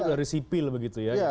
dari sipil begitu ya